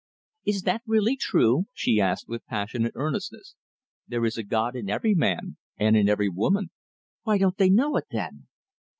"Is that really true?" she asked, with passionate earnestness. "There is a god in every man, and in every woman." "Why don't they know it, then?"